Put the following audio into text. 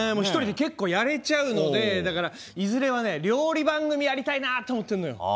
一人で結構やれちゃうのでだからいずれはね料理番組やりたいなと思ってんのよ。